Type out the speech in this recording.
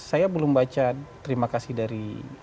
saya belum baca terima kasih dari